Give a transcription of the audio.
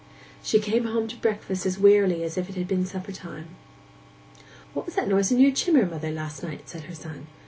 She came home to breakfast as wearily as if it had been suppertime. 'What was that noise in your chimmer, mother, last night?' said her son.